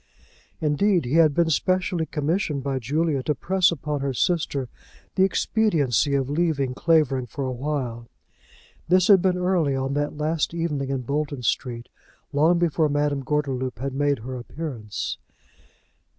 Indeed, he had been specially commissioned by Julia to press upon her sister the expediency of leaving Clavering for a while. This had been early on that last evening in Bolton Street, long before Madame Gordeloup had made her appearance.